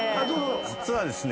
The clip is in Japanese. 実はですね。